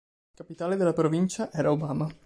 Capitale della provincia era Obama.